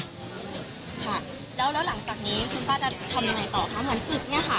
ค่ะแล้วแล้วหลังจากนี้คุณป้าจะทำยังไงต่อคะเหมือนปิดเนี่ยค่ะ